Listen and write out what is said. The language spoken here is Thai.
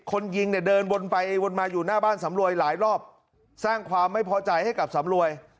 คนยิงเนี่ยเดินวนไปวนมาอยู่หน้าบ้านสำรวยหลายรอบสร้างความไม่พอใจให้กับสำรวย